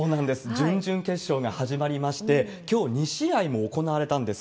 準々決勝が始まりまして、きょう２試合も行われたんです。